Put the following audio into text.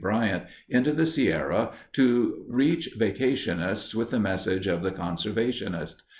Bryant, into the Sierra to reach vacationists with the message of the conservationist.